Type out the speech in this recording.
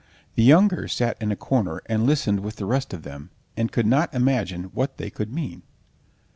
the younger sat in a corner and listened with the rest of them, and could not imagine what they could mean.